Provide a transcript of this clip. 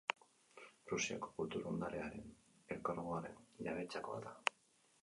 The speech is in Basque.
Prusiako Kultur Ondarearen Elkargoaren jabetzakoa da.